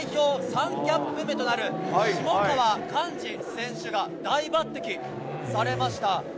３キャップ目となる下川かんじ選手が大抜てきされました。